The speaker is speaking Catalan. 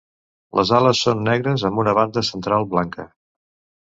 Les ales són negres amb una banda central blanca.